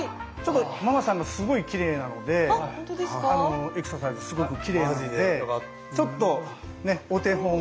ママさんのすごいきれいなのでエクササイズすごくきれいなのでちょっとお手本。